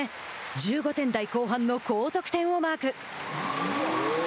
１５点台後半の高得点をマーク。